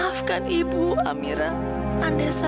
selepas itu saya pergi ke laba